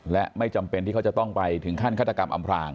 และไม่จำเป็นที่เขาจะต้องไปถึงขั้นฆาตกรรมอำพลาง